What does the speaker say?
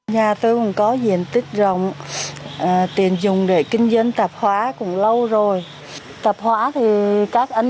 nhà tôi còn có diện tích rộng tiền dùng để kinh doanh tạp hóa cũng lâu rồi tạp hóa thì các anh